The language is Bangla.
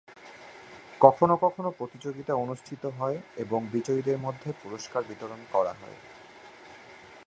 কখনও কখনও প্রতিযোগিতা অনুষ্ঠিত হয় এবং বিজয়ীদের মধ্যে পুরস্কার বিতরণ করা হয়।